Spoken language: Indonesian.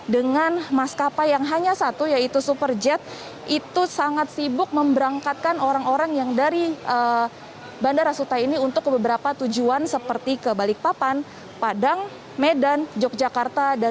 dengan maskapai yang hanya satu yaitu superjet itu sangat sibuk memberangkatkan orang orang yang dari bandara suta ini untuk ke beberapa tujuan seperti ke balikpapan padang medan yogyakarta